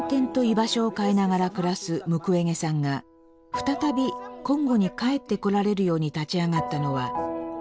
場所を変えながら暮らすムクウェゲさんが再びコンゴに帰ってこられるように立ち上がったのは女性たちでした。